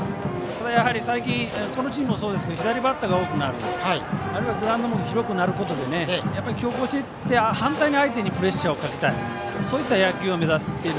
やはり最近このチームもそうですが左バッターが多くなるあるいはグラウンドも広くなることで強行していって、反対に相手にプレッシャーをかけていきたい。